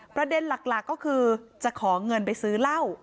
ประเด็นหลักก็คือจะขอเงินไปซื้อเหล้า